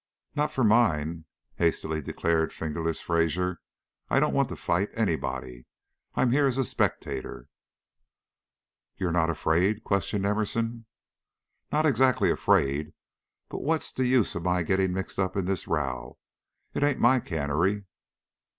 "Not for mine," hastily declared "Fingerless" Fraser. "I don't want to fight anybody. I'm here as a spectator." "You're not afraid?" questioned Emerson. "Not exactly afraid, but what's the use of my getting mixed up in this row? It ain't my cannery."